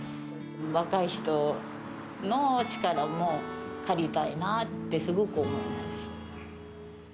若い人の力も借りたいなって、すごく思います。